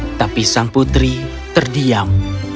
tetapi sang putri terdiam